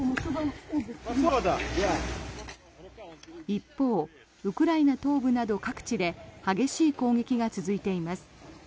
一方、ウクライナ東部など各地で激しい攻撃が続いています。